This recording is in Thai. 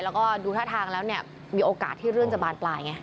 แล้วก็ดูท่าทางแล้วเนี่ยมีโอกาสที่เรื่องจะบานปลายไง